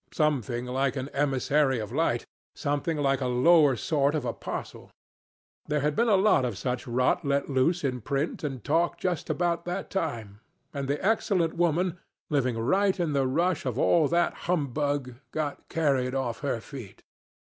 Something like an emissary of light, something like a lower sort of apostle. There had been a lot of such rot let loose in print and talk just about that time, and the excellent woman, living right in the rush of all that humbug, got carried off her feet.